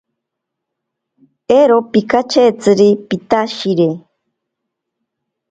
Ero pikachetziri pitashire.